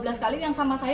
berapa kali gagal